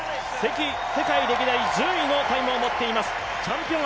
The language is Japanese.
世界歴代１０位の順位を持っています。